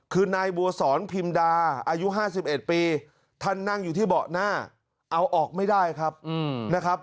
คือนายบัวสอนพิมดาอายุ๕๑ปีท่านนั่งอยู่ที่เบาะหน้าเอาออกไม่ได้ครับนะครับ